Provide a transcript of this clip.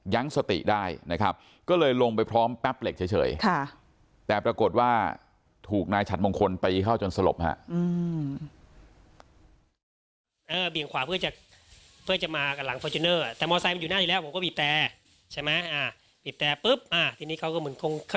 สติได้นะครับก็เลยลงไปพร้อมแป๊บเหล็กเฉยแต่ปรากฏว่าถูกนายฉัดมงคลตีเข้าจนสลบฮะ